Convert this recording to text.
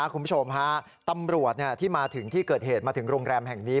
คุณผู้ชมฮะตำรวจที่มาถึงที่เกิดเหตุมาถึงโรงแรมแห่งนี้